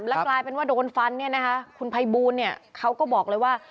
แล้วกลายเป็นว่าโดนฟันเนี่ยนะคะคุณภัยบูลเนี่ยเขาก็บอกเลยว่า